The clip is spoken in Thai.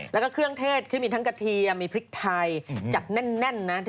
แล้วก็เครื่องเทศคือมีทั้งกระเทียมมีพริกไทยจัดแน่นนะ